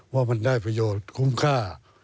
ว่ามันได้ประโยชน์คุ้มค่า